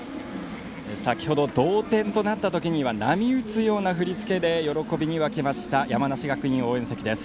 先ほど同点となった時には波打つような振り付けで喜びに沸きました山梨学院、応援席です。